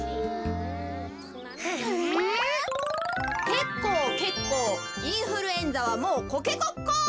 「けっこうけっこうインフルエンザはもうコケコッコー」。